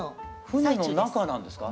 船の中なんですか？